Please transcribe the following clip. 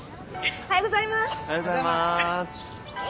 おはようございます。